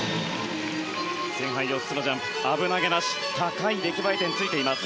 前半４つのジャンプ危なげなし高い出来栄え点がついています。